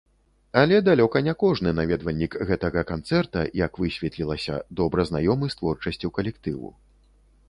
Але далёка не кожны наведвальнік гэтага канцэрта, як высветлілася, добра знаёмы з творчасцю калектыву.